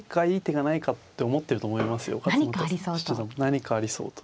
何かありそうと。